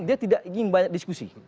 dia tidak ingin banyak diskusi